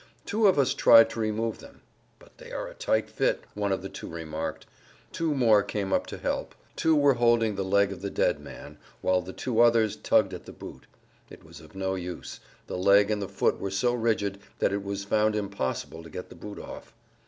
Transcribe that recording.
Two of us tried to remove them. "But they are a tight fit," one of the two remarked. Two more came up to help. Two were holding the leg of the dead man while the two others tugged at the boot. It was of no use; the leg and the foot were so rigid that it was found impossible to get the boot off.